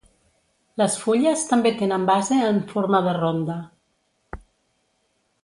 Les fulles també tenen base en forma de ronda.